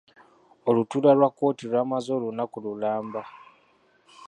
Olutuula lwa kkooti lwamaze olunaku lulamba.